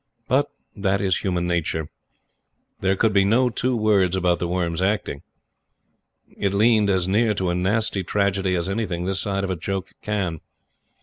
But that is human nature. There could be no two words about The Worm's acting. It leaned as near to a nasty tragedy as anything this side of a joke can.